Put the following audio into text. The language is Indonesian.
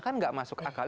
kan nggak masuk akal